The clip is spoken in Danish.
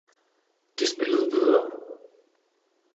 De spillede videre.